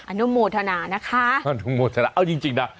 อนุโมทนานะคะอนุโมทนาเอาจริงจริงนะ